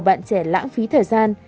bạn trẻ lãng phí thời gian